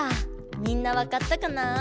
みんなわかったかな？